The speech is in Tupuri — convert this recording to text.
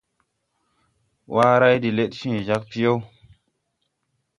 Waray de lɛd cẽẽ jag piyɛw.